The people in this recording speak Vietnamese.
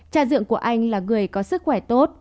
cha dựng của anh là người có sức khỏe tốt